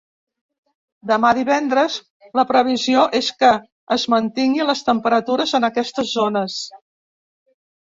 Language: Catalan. Demà divendres, la previsió és que es mantinguin les temperatures en aquestes zones.